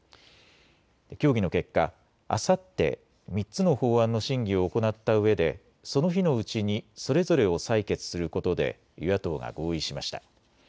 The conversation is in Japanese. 協議の結果、あさって３つの法案の審議を行ったうえでその日のうちにそれぞれを採決することで与野党が合意しました。